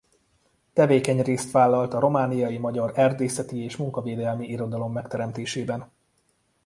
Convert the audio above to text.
Tevékeny részt vállalt a romániai magyar erdészeti és munkavédelmi irodalom megteremtésében.